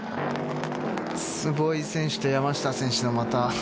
坪井選手と山下選手のまた。